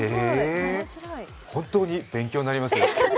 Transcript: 本当に勉強になります。